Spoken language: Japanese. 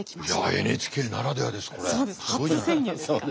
いやＮＨＫならではですねこれ。